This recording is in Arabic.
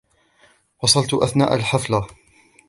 وصلت أثناء الحفلة